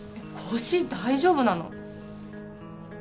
腰大丈夫なの？